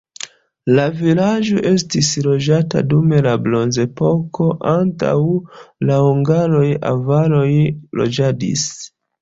La vilaĝo estis loĝata dum la bronzepoko, antaŭ la hungaroj avaroj loĝadis.